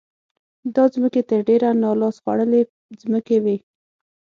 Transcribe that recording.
دا ځمکې تر ډېره نا لاس خوړلې ځمکې وې.